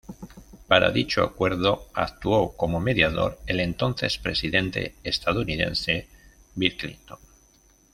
Para dicho acuerdo actuó como mediador el entonces presidente estadounidense Bill Clinton.